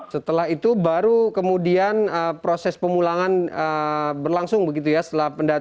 setelah itu baru kemudian proses pemulangan berlangsung begitu ya setelah